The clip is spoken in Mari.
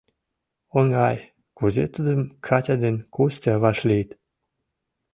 Оҥай, кузе тудым Катя ден Костя вашлийыт?